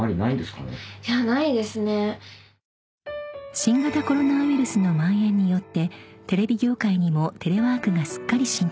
［新型コロナウイルスのまん延によってテレビ業界にもテレワークがすっかり浸透］